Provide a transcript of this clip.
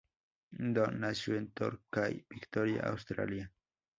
Dunn nació en Torquay, Victoria, Australia.